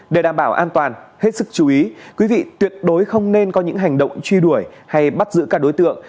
để đảm bảo an toàn hết sức chú ý quý vị tuyệt đối không nên có những hành động truy đuổi hay bắt giữ các đối tượng